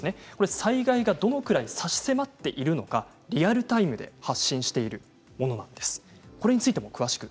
災害がどのくらい差し迫っているのかリアルタイムで発信しているものなんです。